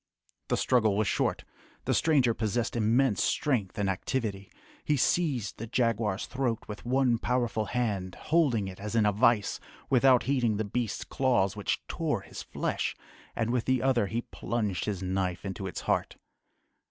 The struggle was short. The stranger possessed immense strength and activity. He seized the jaguar's throat with one powerful hand, holding it as in a vice, without heeding the beast's claws which tore his flesh, and with the other he plunged his knife into its heart.